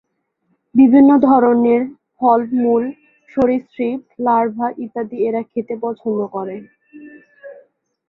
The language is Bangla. বিভিন্ন ধরনের ফল-মূল, সরীসৃপ, লার্ভা ইত্যাদি এরা খেতে পছন্দ করে।